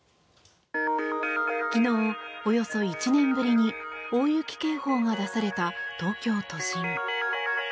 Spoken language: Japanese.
昨日、およそ１年ぶりに大雪警報が出された東京都心。